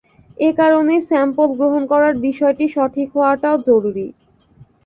একারনেই sample গ্রহন করার বিষয়টি সঠিক হাওয়াটা জরুরী।